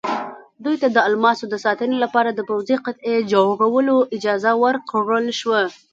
دوی ته د الماسو د ساتنې لپاره د پوځي قطعې جوړولو اجازه ورکړل شوه.